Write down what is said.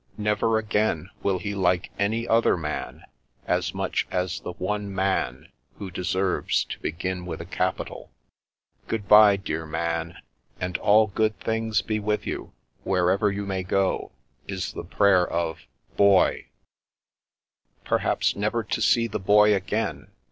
Never again will he like any other man as much as the One Man who deserves to begin with a capital. "Good bye, dear Man, and all good things be with you, wherever you may go, is the prayer of — Boy." 314 The Princess Passes Perhaps never to see the Boy again!